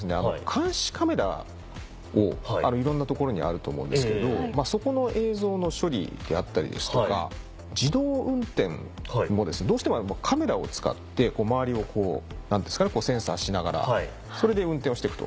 監視カメラをいろんな所にあると思うんですけれどそこの映像の処理であったりですとか自動運転もですねどうしてもあれもカメラを使って周りをセンサーしながらそれで運転をしてくと。